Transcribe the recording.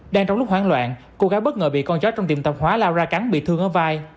đang trong lúc hoãn loạn cô gái bất ngờ bị con chó trong tiệm tạp hóa lao ra cắn bị thương ở vai